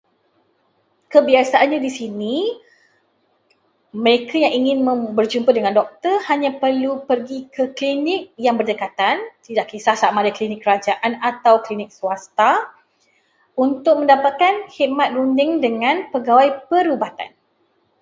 Kebiasaannya di sini, mereka yang ingin berjumpa dengan doktor hanya perlu pergi ke klinik berdekatan, tidak kisah klinik kerajaan atau klinik swasta, untuk mendapatkan khidmat runding dengan pegawai perubatan.